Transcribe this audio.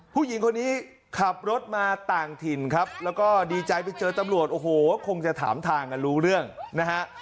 ผู้หญิงคนนี้ขับรถมาต่างถิ่นครับแล้วก็ดีใจไปเจอตำรวจโอ้โหคงจะถามทางกันรู้เรื่องนะฮะ